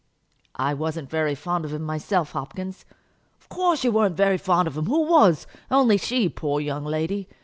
"I wasn't very fond of him myself, Hopkins." "Of course you weren't very fond of him. Who was? only she, poor young lady.